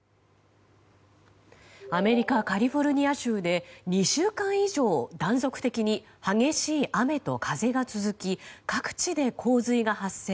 アメリカカリフォルニア州で２週間以上断続的に激しい雨と風が続き各地で洪水が発生。